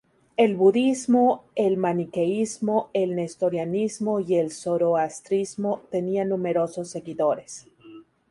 El budismo, el maniqueísmo, el nestorianismo y el zoroastrismo tenían numerosos seguidores.